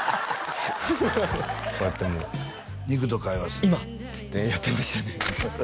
こうやってもう「今！」っつってやってましたね